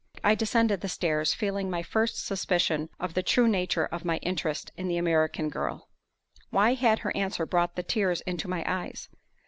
I descended the stairs, feeling my first suspicion of the true nature of my interest in the American girl. Why had her answer brought the tears into my eyes?